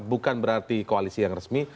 bukan berarti koalisi yang resmi